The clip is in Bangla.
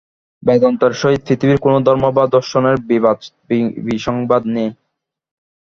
বেদান্তের সহিত পৃথিবীর কোন ধর্ম বা দর্শনের বিবাদ-বিসংবাদ নাই।